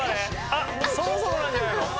あっそろそろなんじゃないの？